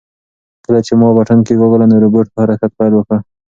کله چې ما بټن کېکاږله نو روبوټ په حرکت پیل وکړ.